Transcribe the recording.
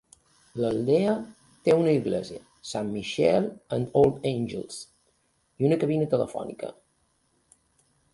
L'aldea té una església, "Saint Michael and All Angels" i una cabina telefònica.